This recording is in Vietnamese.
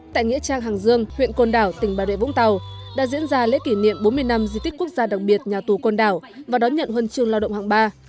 tại nghĩa trang hàng dương huyện côn đảo tỉnh bà rịa vũng tàu đã diễn ra lễ kỷ niệm bốn mươi năm di tích quốc gia đặc biệt nhà tù côn đảo và đón nhận huân chương lao động hạng ba